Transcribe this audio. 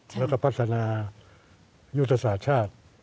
แล้วก็พัฒนายุทธศาสตร์ชาติ